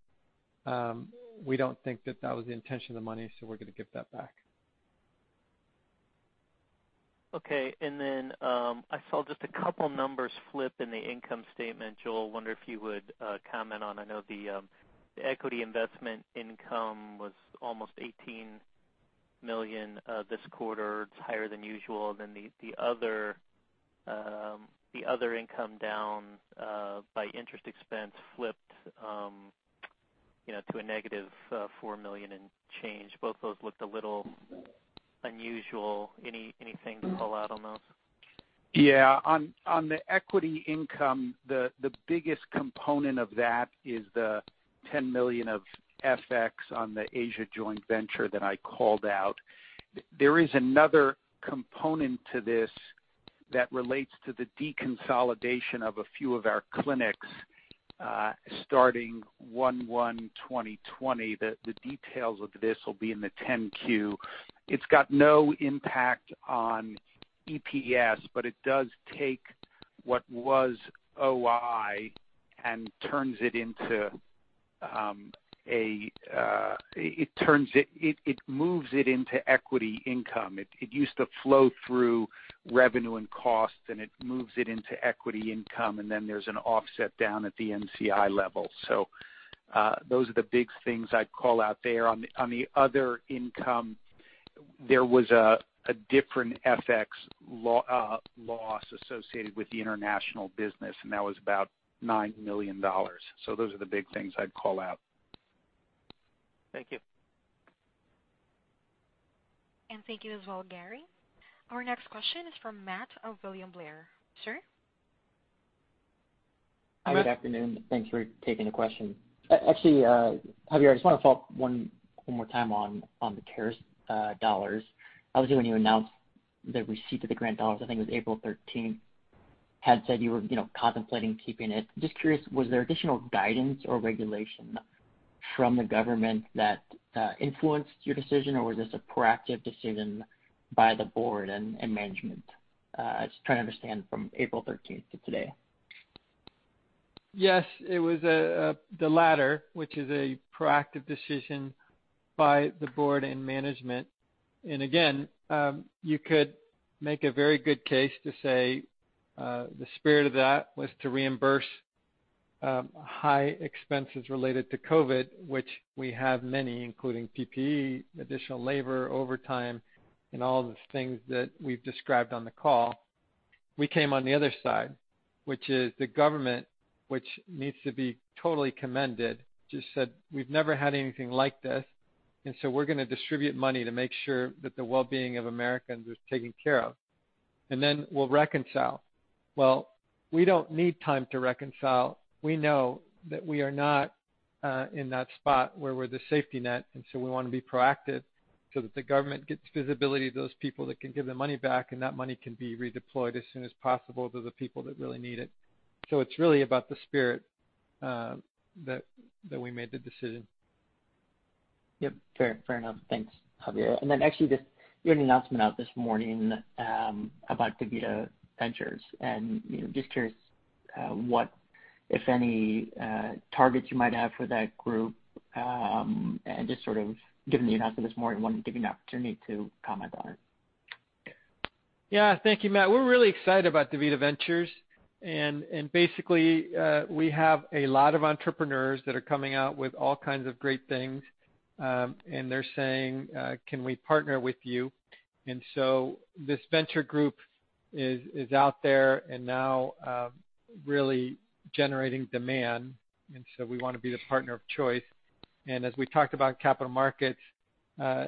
We don't think that that was the intention of the money, so we're going to give that back. Okay, I saw just a couple numbers flip in the income statement, Joel. Wonder if you would comment on, I know the equity investment income was almost $18 million this quarter. It's higher than usual than the other income down by interest expense flipped to a negative $4 million and change. Both those looked a little unusual. Anything to call out on those? Yeah. On the equity income, the biggest component of that is the $10 million of FX on the Asia joint venture that I called out. There is another component to this that relates to the deconsolidation of a few of our clinics starting 01/01/2020. The details of this will be in the 10-Q. It's got no impact on EPS, but it does take what was OI and it moves it into equity income. It used to flow through revenue and cost, and it moves it into equity income, and then there's an offset down at the NCI level. Those are the big things I'd call out there. On the other income, there was a different FX loss associated with the international business, and that was about $9 million. Those are the big things I'd call out. Thank you. Thank you as well, Gary. Our next question is from Matt of William Blair. Sir? Hi, good afternoon. Thanks for taking the question. Actually, Javier, I just want to follow up one more time on the CARES dollars. Obviously, when you announced the receipt of the grant dollars, I think it was April 13th, had said you were contemplating keeping it. Just curious, was there additional guidance or regulation from the government that influenced your decision, or was this a proactive decision by the board and management? Just trying to understand from April 13th to today. Yes, it was the latter, which is a proactive decision by the board and management. Again, you could make a very good case to say the spirit of that was to reimburse high expenses related to COVID, which we have many, including PPE, additional labor, overtime, and all of the things that we've described on the call. We came on the other side, which is the government, which needs to be totally commended, just said, "We've never had anything like this, and so we're going to distribute money to make sure that the wellbeing of Americans is taken care of. And then we'll reconcile." Well, we don't need time to reconcile. We know that we are not in that spot where we're the safety net. We want to be proactive so that the government gets visibility to those people that can give the money back, and that money can be redeployed as soon as possible to the people that really need it. It's really about the spirit that we made the decision. Yep. Fair enough. Thanks, Javier. Actually, you had an announcement out this morning about DaVita Ventures, and just curious what, if any, targets you might have for that group, and just sort of given the announcement this morning, wanted to give you an opportunity to comment on it. Yeah, thank you, Matt. We're really excited about DaVita Ventures. Basically, we have a lot of entrepreneurs that are coming out with all kinds of great things, and they're saying, "Can we partner with you?" This venture group is out there and now really generating demand. We want to be the partner of choice. As we talked about capital markets,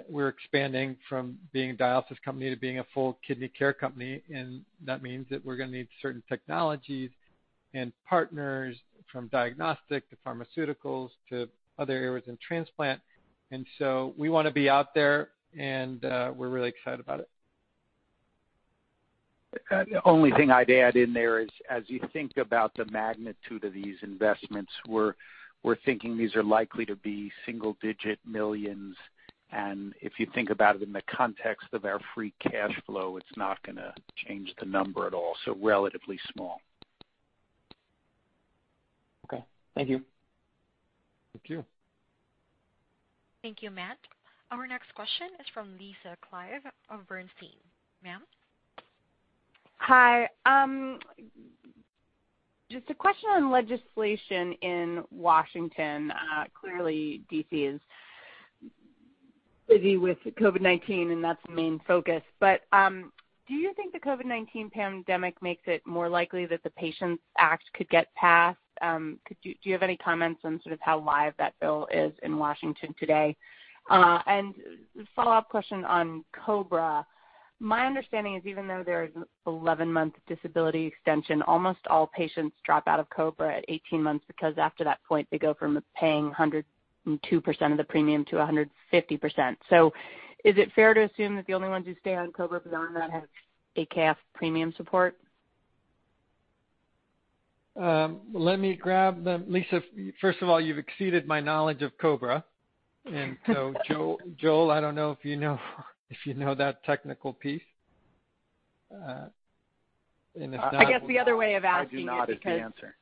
we're expanding from being a dialysis company to being a full kidney care company, and that means that we're going to need certain technologies and partners from diagnostic to pharmaceuticals to other areas in transplant. We want to be out there, and we're really excited about it. The only thing I'd add in there is, as you think about the magnitude of these investments, we're thinking these are likely to be $ single-digit millions, and if you think about it in the context of our free cash flow, it's not going to change the number at all. Relatively small. Okay. Thank you. Thank you. Thank you, Matt. Our next question is from Lisa Clive of Bernstein. Ma'am? Hi. Just a question on legislation in Washington. Clearly, D.C. is Busy with COVID-19, and that's the main focus. Do you think the COVID-19 pandemic makes it more likely that the Patients Act could get passed? Do you have any comments on sort of how live that bill is in Washington today? A follow-up question on COBRA. My understanding is even though there is an 11-month disability extension, almost all patients drop out of COBRA at 18 months because after that point, they go from paying 102% of the premium to 150%. Is it fair to assume that the only ones who stay on COBRA beyond that have ACA premium support? Lisa, first of all, you've exceeded my knowledge of COBRA. Joel, I don't know if you know that technical piece. I guess the other way of asking it. I do not, is the answer.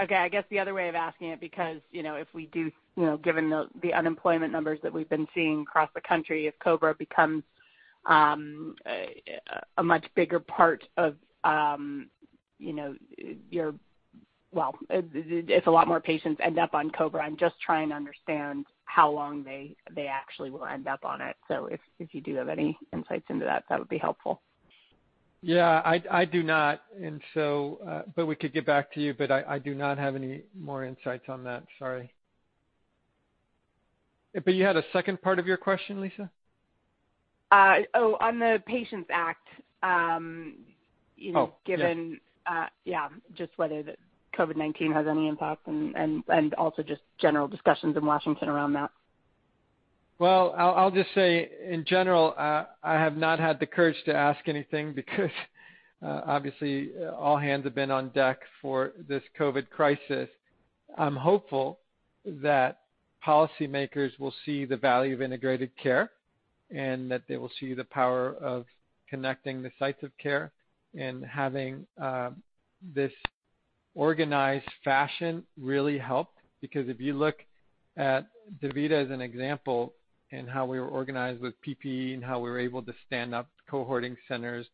Okay, I guess the other way of asking it, because, given the unemployment numbers that we've been seeing across the country, if a lot more patients end up on COBRA, I'm just trying to understand how long they actually will end up on it. If you do have any insights into that would be helpful. Yeah. I do not. We could get back to you. I do not have any more insights on that, sorry. You had a second part of your question, Lisa? Oh, on the Patients Act. Oh, yeah. given, just whether the COVID-19 has any impact and also just general discussions in Washington around that. Well, I'll just say, in general, I have not had the courage to ask anything because obviously, all hands have been on deck for this COVID crisis. I'm hopeful that policymakers will see the value of integrated care, and that they will see the power of connecting the sites of care and having this organized fashion really help. Because if you look at DaVita as an example in how we were organized with PPE and how we were able to stand up cohorting centers,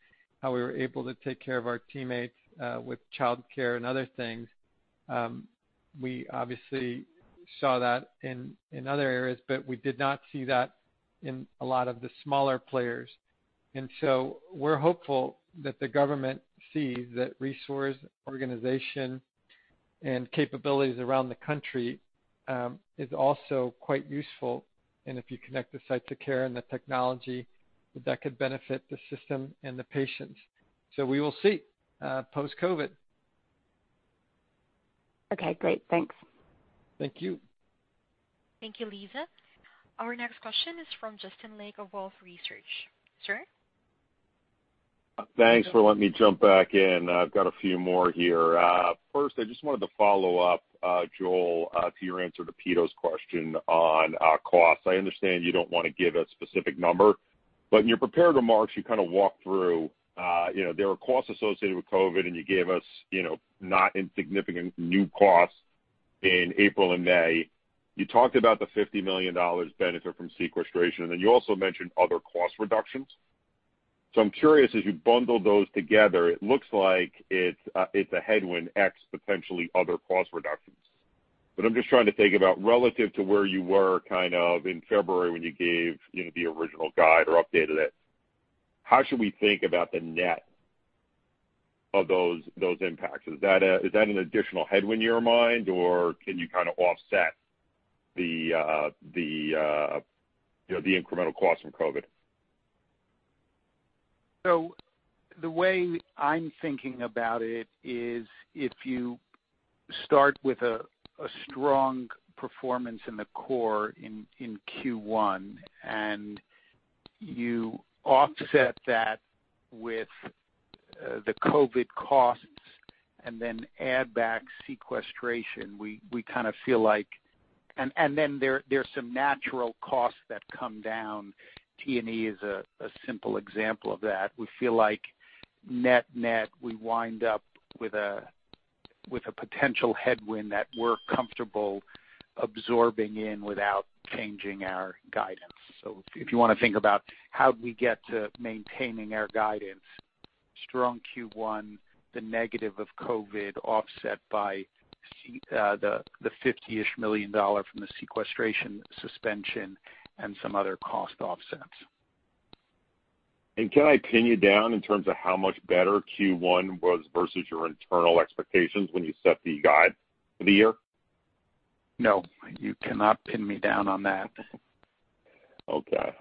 how we were able to take care of our teammates with childcare and other things. We obviously saw that in other areas, but we did not see that in a lot of the smaller players. We're hopeful that the government sees that resource, organization, and capabilities around the country is also quite useful. If you connect the site to care and the technology, that that could benefit the system and the patients. We will see post-COVID. Okay, great. Thanks. Thank you. Thank you, Lisa. Our next question is from Justin Lake of Wolfe Research. Sir? Thanks for letting me jump back in. I've got a few more here. First, I just wanted to follow up, Joel, to your answer to Pito's question on costs. I understand you don't want to give a specific number, but in your prepared remarks, you kind of walked through, there were costs associated with COVID, and you gave us not insignificant new costs in April and May. You talked about the $50 million benefit from sequestration, and then you also mentioned other cost reductions. I'm curious, as you bundle those together, it looks like it's a headwind X potentially other cost reductions. I'm just trying to think about relative to where you were kind of in February when you gave the original guide or updated it, how should we think about the net of those impacts? Is that an additional headwind in your mind, or can you kind of offset the incremental cost from COVID? The way I'm thinking about it is if you start with a strong performance in the core in Q1, you offset that with the COVID costs and add back sequestration, there's some natural costs that come down. T&E is a simple example of that. We feel like net-net, we wind up with a potential headwind that we're comfortable absorbing in without changing our guidance. If you want to think about how do we get to maintaining our guidance, strong Q1, the negative of COVID offset by the $50-ish million from the sequestration suspension and some other cost offsets. Can I pin you down in terms of how much better Q1 was versus your internal expectations when you set the guide for the year? No, you cannot pin me down on that. Okay.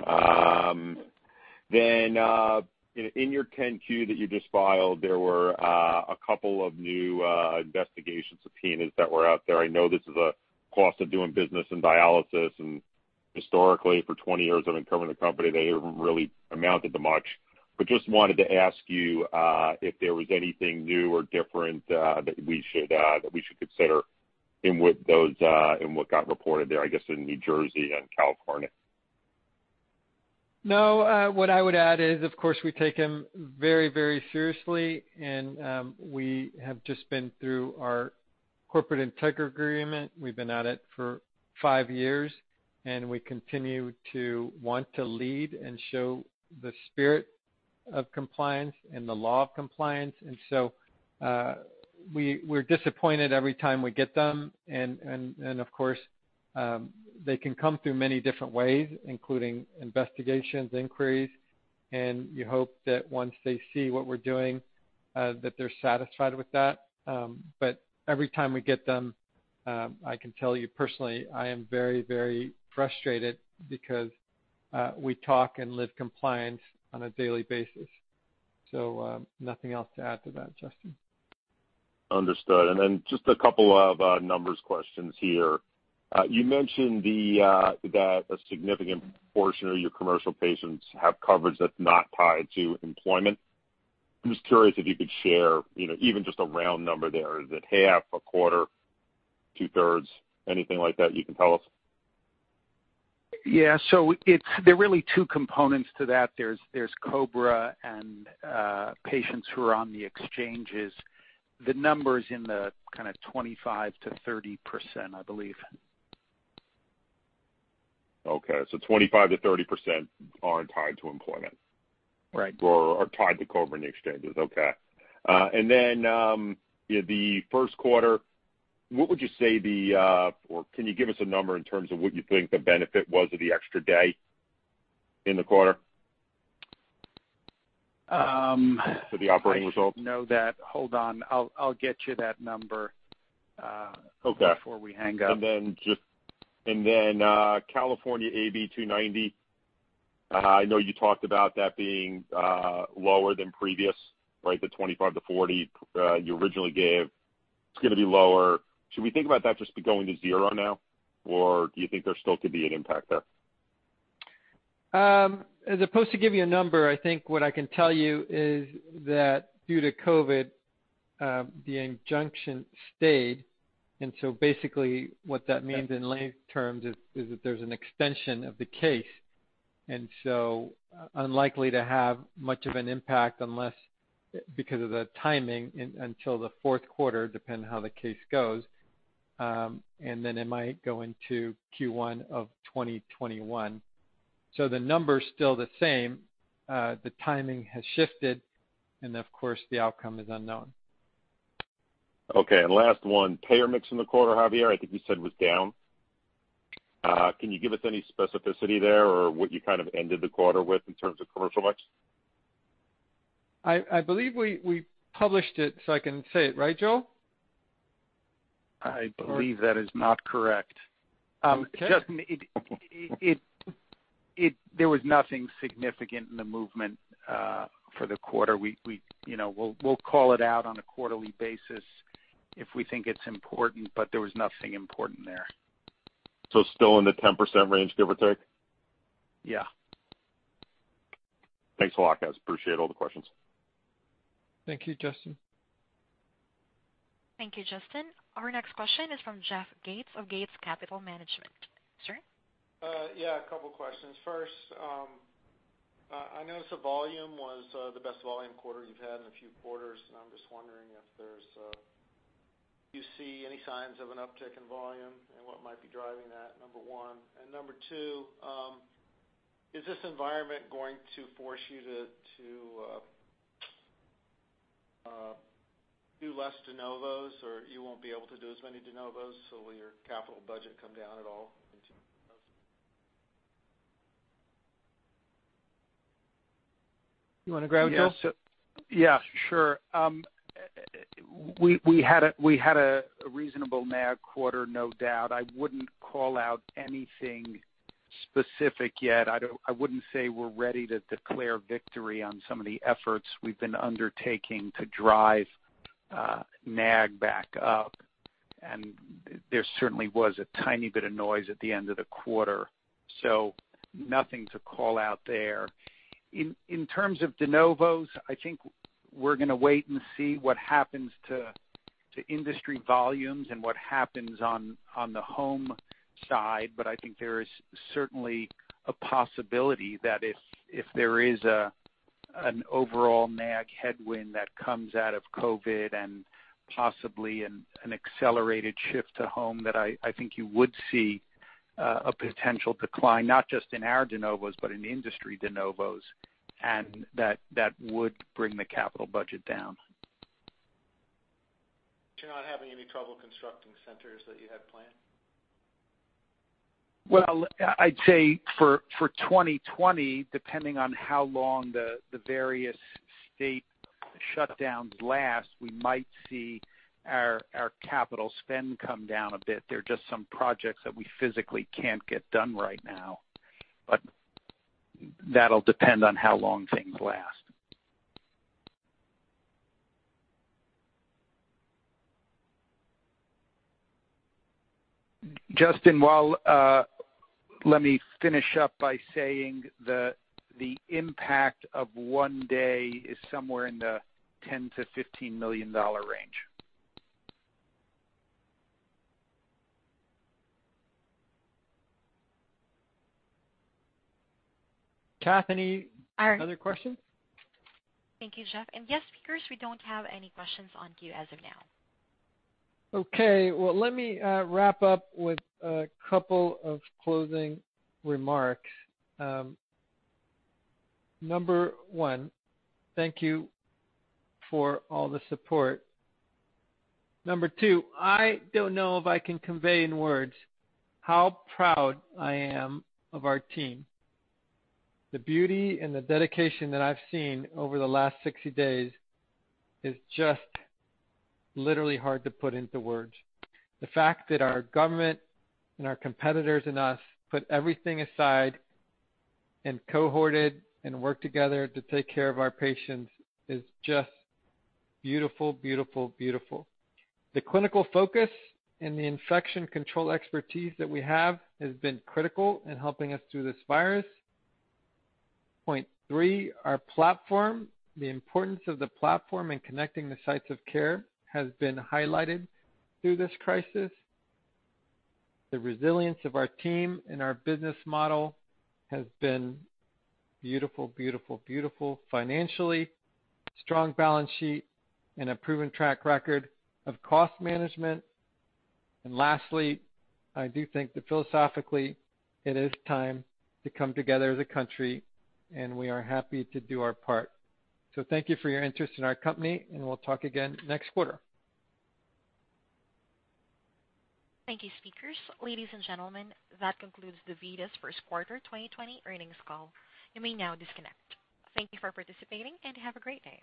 In your 10-Q that you just filed, there were a couple of new investigation subpoenas that were out there. I know this is a cost of doing business in dialysis, and historically, for 20 years I've been covering the company, they haven't really amounted to much. Just wanted to ask you, if there was anything new or different, that we should consider in what got reported there, I guess, in New Jersey and California. No. What I would add is, of course, we take them very seriously. We have just been through our corporate integrity agreement. We've been at it for five years. We continue to want to lead and show the spirit of compliance and the law of compliance. We're disappointed every time we get them. Of course, they can come through many different ways, including investigations, inquiries, and you hope that once they see what we're doing, that they're satisfied with that. Every time we get them, I can tell you personally, I am very frustrated because we talk and live compliance on a daily basis. Nothing else to add to that, Justin. Understood. Just a couple of numbers questions here. You mentioned that a significant portion of your commercial patients have coverage that's not tied to employment. I'm just curious if you could share, even just a round number there. Is it half, a quarter, two-thirds? Anything like that you can tell us? Yeah. There are really two components to that. There's COBRA and patients who are on the exchanges. The number's in the kind of 25%-30%, I believe. Okay. 25%-30% aren't tied to employment. Right. Are tied to COBRA and the exchanges. Okay. The first quarter, what would you say or can you give us a number in terms of what you think the benefit was of the extra day in the quarter to the operating results? I don't know that. Hold on. I'll get you that number. Okay Before we hang up. California AB 290. I know you talked about that being lower than previous, right? The 25 to 40 you originally gave. It's going to be lower. Should we think about that just be going to zero now? Do you think there still could be an impact there? As opposed to give you a number, I think what I can tell you is that due to COVID, the injunction stayed. Basically what that means in lay terms is that there's an extension of the case, unlikely to have much of an impact unless, because of the timing, until the fourth quarter, depending how the case goes. It might go into Q1 of 2021. The number's still the same. The timing has shifted and of course, the outcome is unknown. Okay. Last one. Payer mix in the quarter, Javier, I think you said was down. Can you give us any specificity there or what you kind of ended the quarter with in terms of commercial mix? I believe we published it, so I can say it. Right, Joel? I believe that is not correct. Okay. Justin, there was nothing significant in the movement for the quarter. We'll call it out on a quarterly basis if we think it's important, but there was nothing important there. Still in the 10% range, give or take? Yeah. Thanks a lot, guys. Appreciate all the questions. Thank you, Justin. Thank you, Justin. Our next question is from Jeff Gates of Gates Capital Management. Sir? A couple questions. First, I noticed the volume was the best volume quarter you've had in a few quarters, and I'm just wondering if you see any signs of an uptick in volume and what might be driving that, number one. Number two, is this environment going to force you to do less de novos, or you won't be able to do as many de novos? Will your capital budget come down at all in terms of? You want to grab it, Joel? Yeah, sure. We had a reasonable MAG quarter, no doubt. I wouldn't call out anything specific yet. I wouldn't say we're ready to declare victory on some of the efforts we've been undertaking to drive MAG back up, and there certainly was a tiny bit of noise at the end of the quarter. Nothing to call out there. In terms of de novos, I think we're going to wait and see what happens to industry volumes and what happens on the home side. I think there is certainly a possibility that if there is an overall MAG headwind that comes out of COVID and possibly an accelerated shift to home, that I think you would see a potential decline, not just in our de novos, but in industry de novos, and that would bring the capital budget down. You're not having any trouble constructing centers that you had planned? Well, I'd say for 2020, depending on how long the various state shutdowns last, we might see our capital spend come down a bit. There are just some projects that we physically can't get done right now. That'll depend on how long things last. Justin, well, let me finish up by saying the impact of one day is somewhere in the $10 million-$15 million range. Kathy, any other questions? Thank you, Jeff. Yes, speakers, we don't have any questions in queue as of now. Okay. Well, let me wrap up with a couple of closing remarks. Number one, thank you for all the support. Number two, I don't know if I can convey in words how proud I am of our team. The beauty and the dedication that I've seen over the last 60 days is just literally hard to put into words. The fact that our government and our competitors and us put everything aside and cohorted and worked together to take care of our patients is just beautiful. The clinical focus and the infection control expertise that we have has been critical in helping us through this virus. Point three, our platform, the importance of the platform in connecting the sites of care has been highlighted through this crisis. The resilience of our team and our business model has been beautiful. Financially strong balance sheet and a proven track record of cost management. Lastly, I do think that philosophically, it is time to come together as a country, and we are happy to do our part. Thank you for your interest in our company, and we'll talk again next quarter. Thank you, speakers. Ladies and gentlemen, that concludes DaVita's first quarter 2020 earnings call. You may now disconnect. Thank you for participating, and have a great day.